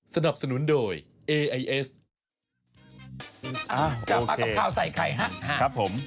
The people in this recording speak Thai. กลับมากับข่าวใส่ไข่ฮะครับผม